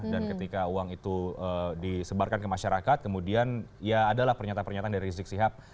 dan ketika uang itu disebarkan ke masyarakat kemudian ya adalah pernyataan pernyataan dari rizik syihab